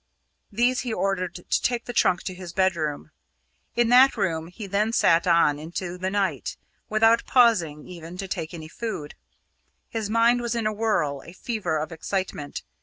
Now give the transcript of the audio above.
These he ordered to take the trunk to his bedroom. In that room he then sat on into the night, without pausing even to take any food. His mind was in a whirl, a fever of excitement.